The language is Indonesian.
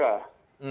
jadi itu memang